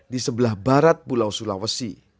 di sebelah barat pulau sulawesi